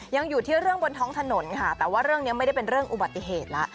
ยังอยู่ที่เรื่องบนท้องถนนค่ะแต่ว่าเรื่องนี้ไม่ได้เป็นเรื่องอุบัติเหตุแล้ว